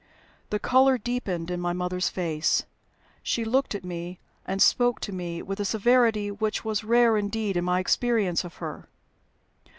The color deepened in my mother's face. She looked at me, and spoke to me with a severity which was rare indeed in my experience of her.